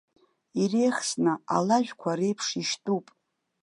Иреихсны, алажәқәа реиԥш ишьтәуп!